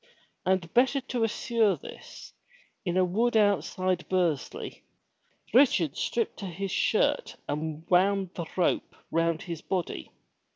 And better to assure this, in a wood outside Bursley, Richard stripped to his shirt and wound the rope round his body.